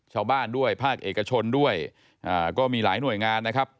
ชาวบ้านด้วยภาคเอกชนด้วยก็มีหลายหน่วยงานนะครับ